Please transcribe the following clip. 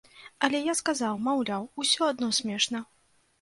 Але я сказаў, маўляў, усё адно смешна.